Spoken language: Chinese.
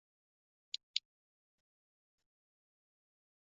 判官李恕劝谏他归顺中原。